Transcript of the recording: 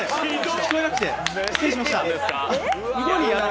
聞こえなくて、失礼しました。